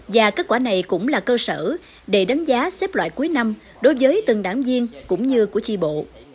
và kết quả này cũng là cơ sở để đánh giá xếp loại cuối năm đối với từng đảng viên cũng như của chi bộ